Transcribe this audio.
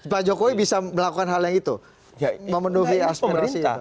pak jokowi bisa melakukan hal yang itu memenuhi aspirasi